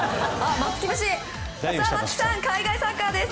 松木さん海外サッカーです。